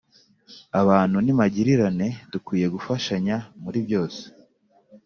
Abantu ni magirirane dukwiye gufashanya muri byose